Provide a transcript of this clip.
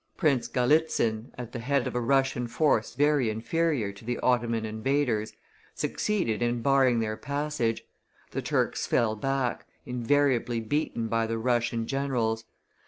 Prince Galitzin, at the head of a Russian force very inferior to the Ottoman invaders, succeeded in barring their passage; the Turks fell back, invariably beaten by the Russian generals.